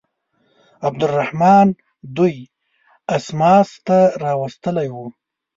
عبدالرحمن دوی اسماس ته راوستلي وه.